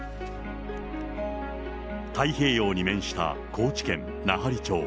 太平洋に面した高知県奈半利町。